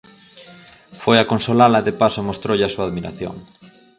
Foi a consolala e de paso mostroulle a súa admiración.